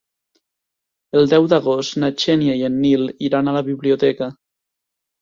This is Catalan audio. El deu d'agost na Xènia i en Nil iran a la biblioteca.